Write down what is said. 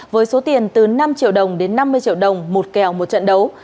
với số tiền từ năm triệu đồng đến năm mươi triệu đồng một kèo một trận đấu